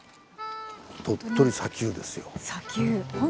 鳥取砂丘ですよ。